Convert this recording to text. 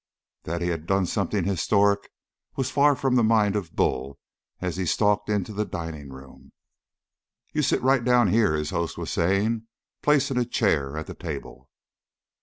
That he had done something historic was far from the mind of Bull as he stalked into the dining room. "You sit right down here," his host was saying, placing a chair at the table.